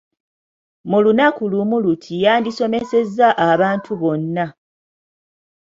Mu lunaku lumu luti yandisomesezza abantu bonna.